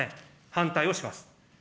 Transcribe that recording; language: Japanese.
反対をします。